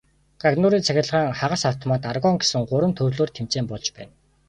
Гагнуурын цахилгаан, хагас автомат, аргон гэсэн гурван төрлөөр тэмцээн болж байна.